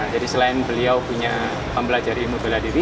jadi selain beliau mempelajari imut belah diri